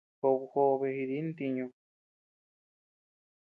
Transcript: Job jobe jidi ntiñu.